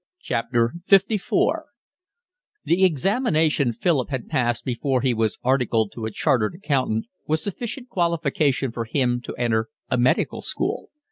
LIV The examination Philip had passed before he was articled to a chartered accountant was sufficient qualification for him to enter a medical school.